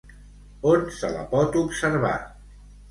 On se la pot observar?